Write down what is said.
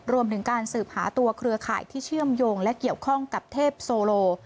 รวมถึงการสืบหาตัวเครือข่ายที่เชื่อมโยงและเกี่ยวข้องกับเทพโซโล